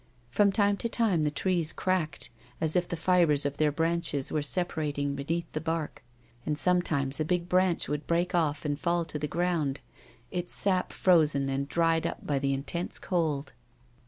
From time to time the trees cracked, as if the fibres of their branches were separating beneath the bark, and sometimes a big branch would break off and fall to the ground, its sap frozen and dried up by the intense cold.